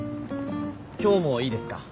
今日もいいですか？